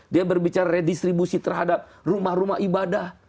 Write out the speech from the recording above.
dia berbicara redistribusi terhadap rumah rumah ibadah